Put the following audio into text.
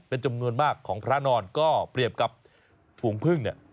เป็นจำนวนมากของพระนอนก็เปรียบกับฝูงพึ่งเนี่ย